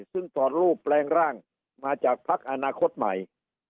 ซึ่งถอดรูปแปลงร่างมาจากพักอนาคตใหม่